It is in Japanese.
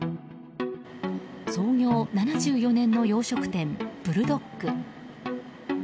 創業７４年の洋食店ブルドック。